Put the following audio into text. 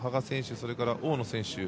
それから大野選手